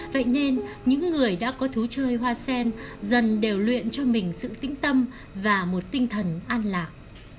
vậy nên những người đã có thú chơi hoa sen dần đều luyện cho mình sự tĩnh tâm và một tinh thần an lạc